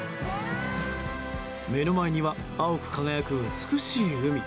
目の前には青く輝く美しい海。